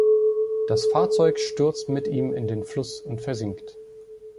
Das Fahrzeug stürzt mit ihm in den Fluss und versinkt.